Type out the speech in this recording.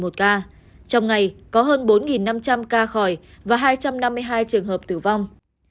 trong ngày có hơn bốn năm trăm linh ca khỏi và hai trăm năm mươi hai trường hợp tử vong